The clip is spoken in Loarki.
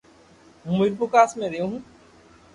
ھون ميرپورخاص مي ريون هون